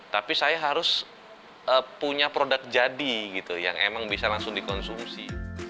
tapi saya harus punya produk jadi gitu yang emang bisa langsung dikonsumsi